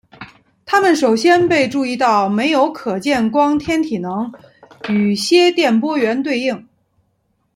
它们首先被注意到没有可见光天体能与些电波源对应。